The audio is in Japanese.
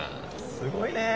すごいね。